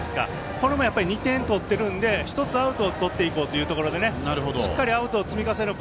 これも２点取ってるので１つアウトをとっていこうというところでしっかり積み重ねる。